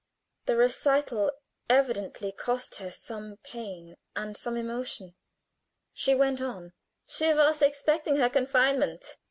The recital evidently cost her some pain and some emotion. She went on: "She was expecting her confinement.